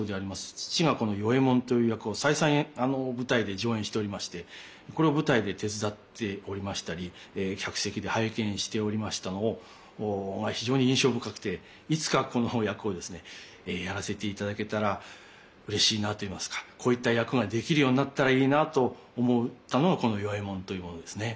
父がこの与右衛門という役を再三舞台で上演しておりましてこれを舞台で手伝っておりましたり客席で拝見しておりましたのを非常に印象深くていつかこのお役をですねやらせていただけたらうれしいなといいますかこういった役ができるようになったらいいなと思ったのがこの与右衛門というものですね。